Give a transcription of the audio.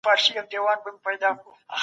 ولي په کندهار کي د صنعت لپاره دوام مهم دی؟